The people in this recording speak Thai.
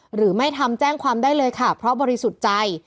หรือไม่ทำแจ้งความได้เลยค่ะเพราะบริสุทธิ์ใจ